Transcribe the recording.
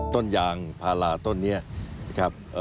ต้นยางพาราต้นนี้นะครับ